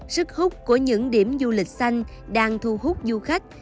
sức hút của những điểm du lịch xanh đang thu hút du khách